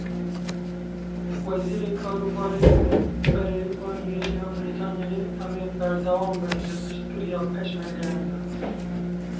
Wezîrê Karûbarên Berevaniyê ya Brîtanyayê em ê berdewam bin di piştgiriya Pêşmergeyan de.